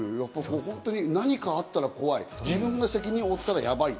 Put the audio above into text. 本当に何かあったら怖い、自分が責任を負ったらやばい。